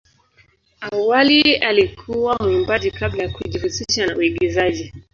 Awali alikuwa mwimbaji kabla ya kujihusisha na uigizaji.